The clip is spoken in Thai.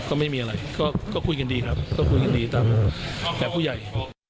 ก็ไม่มีอะไรก็คุยกันดีครับก็คุยกันดีตามแบบผู้ใหญ่